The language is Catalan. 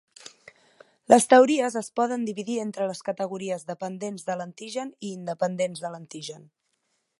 Les teories es poden dividir entre les categories dependents de l'antigen i independents de l'antigen.